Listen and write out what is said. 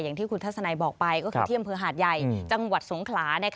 อย่างที่คุณทัศนัยบอกไปก็คือที่อำเภอหาดใหญ่จังหวัดสงขลา